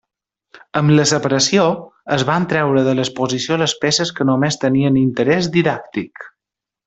Amb la separació, es van treure de l'exposició les peces que només tenien interès didàctic.